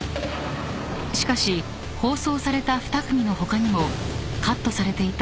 ［しかし放送された２組の他にもカットされていた